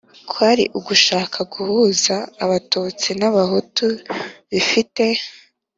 kwari ugushaka guhuza abatutsi n' abahutu bifite,